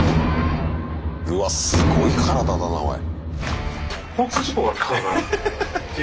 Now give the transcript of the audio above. うわっすごい体だなおい。